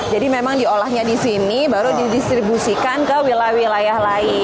jadi memang diolahnya di sini baru didistribusikan ke wilayah wilayah lain